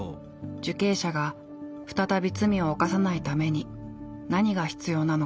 受刑者が再び罪を犯さないために何が必要なのか。